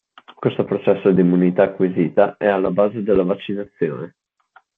Questo processo di immunità acquisita è alla base della vaccinazione.